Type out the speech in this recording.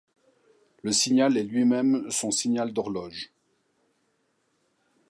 Le signal est lui-même son signal d'horloge.